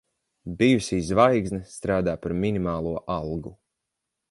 Bijusī zvaigzne strādā par minimālo algu.